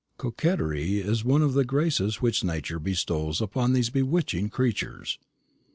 "Coquetry is one of the graces which Nature bestows upon these bewitching creatures.